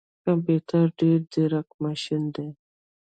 کمپيوټر ډیر ځیرک ماشین دی